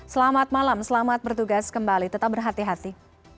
selamat malam selamat bertugas kembali tetap berhati hati